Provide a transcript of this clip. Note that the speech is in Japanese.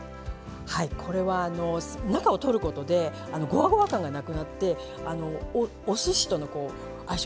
はいこれは中を取ることでごわごわ感がなくなっておすしとの相性